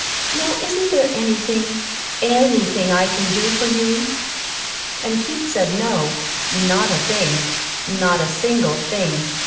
Now isn't there anything, ANYTHING I can do for you?" And Keith said no, not a thing, not a single thing.